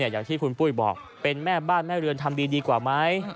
อย่างที่คุณปุ้ยบอกเป็นแม่บ้านแม่เรือนทำดีดีกว่าไหม